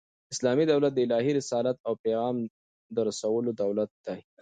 اسلامي دولت د الهي رسالت او پیغام د رسولو دولت دئ.